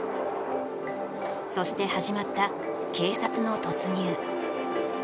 そして始まった警察の突入。